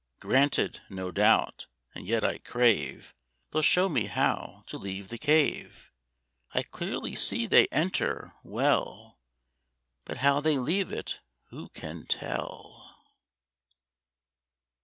Granted, no doubt; and yet I crave They'll show me how to leave the cave. I clearly see they enter. Well! But how they leave it who can tell?"